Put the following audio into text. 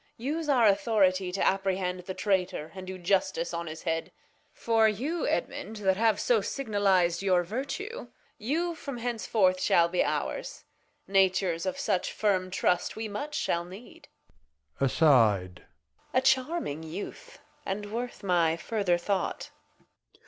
Reg. Use our Authority to apprehend The Traytour, and do Justice on his Head ; For you, Edmund, that have so signaliz'd Your Vertue, you from henceforth shall be ours ; Natures of such firm Trust we much shall need, A charming Youth, and worth my further Thought.